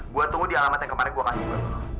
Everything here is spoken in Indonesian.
gue tunggu di alamat yang kemarin gue kasih ke lo